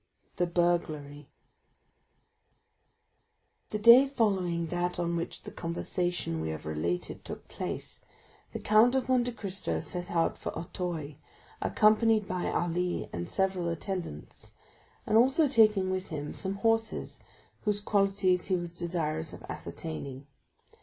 The Burglary The day following that on which the conversation we have related took place, the Count of Monte Cristo set out for Auteuil, accompanied by Ali and several attendants, and also taking with him some horses whose qualities he was desirous of ascertaining.